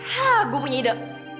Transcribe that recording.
hah gue punya ide